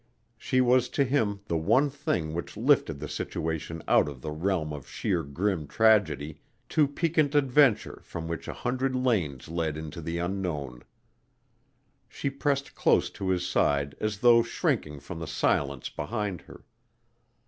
She was to him the one thing which lifted the situation out of the realm of sheer grim tragedy to piquant adventure from which a hundred lanes led into the unknown. She pressed close to his side as though shrinking from the silence behind her.